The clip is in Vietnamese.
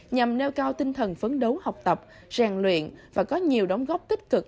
nhằm nêu cao tinh thần phấn đấu học tập rèn luyện và có nhiều đóng góp tích cực